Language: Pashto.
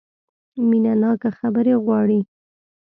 مینه ناکه خبرې غواړي .